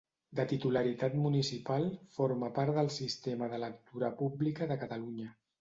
De titularitat municipal, forma part del Sistema de Lectura Pública de Catalunya.